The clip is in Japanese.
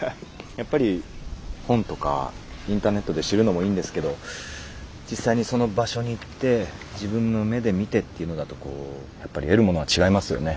やっぱり本とかインターネットで知るのもいいんですけど実際にその場所に行って自分の目で見てっていうのだとこうやっぱり得るものは違いますよね。